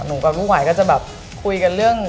กับลูกหวายก็จะแบบคุยกันเรื่อง